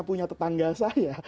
punya tetangga saya